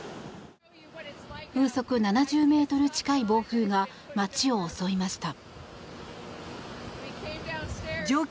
風速７０メートル近い暴風が街を襲いました。